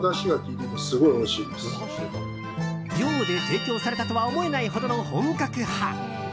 秒で提供されたとは思えないほどの本格派。